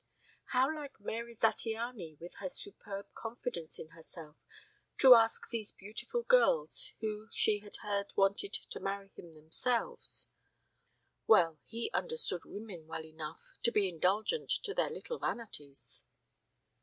How like Mary Zattiany, with her superb confidence in herself, to ask these beautiful girls who she had heard wanted to marry him themselves. Well, he understood women well enough to be indulgent to their little vanities.